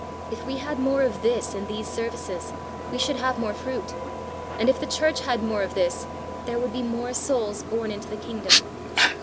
If we had more of this in these services, we should have more fruit; and if the church had more of this, there would be more souls born into the kingdom.